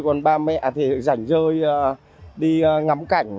còn ba mẹ rảnh rơi đi ngắm cảnh